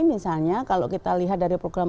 misalnya kalau kita lihat dari program